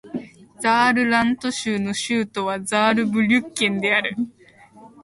ザールラント州の州都はザールブリュッケンである